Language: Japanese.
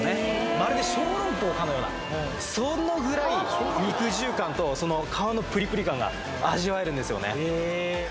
まるで小籠包かのようなそのぐらい肉汁感とその皮のプリプリ感が味わえるんですよね